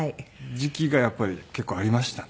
時期がやっぱり結構ありましたね。